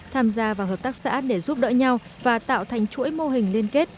tham gia vào hợp tác xã để giúp đỡ nhau và tạo thành chuỗi mô hình liên kết